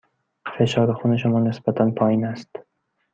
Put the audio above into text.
فشار خون شما نسبتاً پایین است.